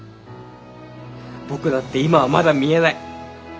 僕だって今はまだ見えない。